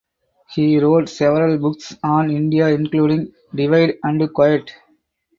He wrote several books on India including "Divide and Quit".